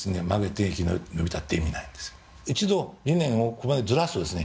一度理念をここまでずらすとですね